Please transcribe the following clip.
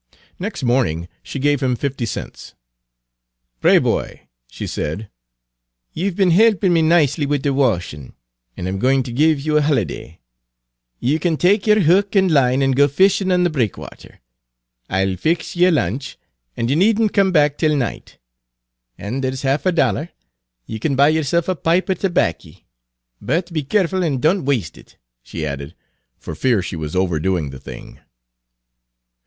Next morning she gave him fifty cents. "Braboy," she said, "ye've be'n helpin' me nicely wid the washin', an' I 'm going ter give ye a holiday. Ye can take yer hook an' line an' go fishin' on the breakwater. I'll fix Page 256 ye a lunch, an' ye need n't come back till night. An' there's half a dollar; ye can buy yerself a pipe er terbacky. But be careful an' don't waste it," she added, for fear she was overdoing the thing.